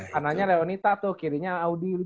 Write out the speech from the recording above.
kanannya reonita tuh kirinya audi